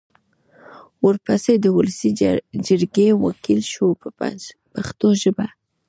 ورپسې د ولسي جرګې وکیل شو په پښتو ژبه.